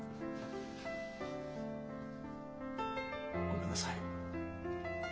ごめんなさい。